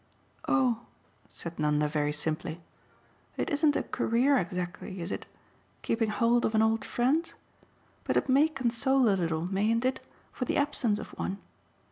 "Oh," said Nanda very simply, "it isn't a 'career' exactly, is it keeping hold of an old friend? but it may console a little, mayn't it, for the absence of one?